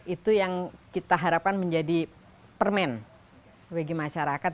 itu yang kita harapkan menjadi permen bagi masyarakat